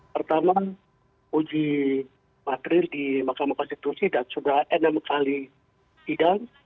pertama uji materi di mahkamah konstitusi dan sudah enam kali sidang